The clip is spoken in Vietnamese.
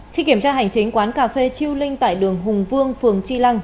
khi kiểm tra hành chính quán cà phê chiêu linh tại đường hùng vương phường tri lăng